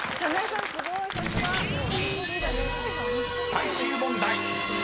［最終問題］